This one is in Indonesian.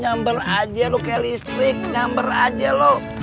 nyamber aja lo kayak listrik nyamber aja lo